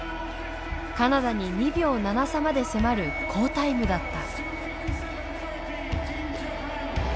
カナダに２秒７差まで迫る好タイムだった。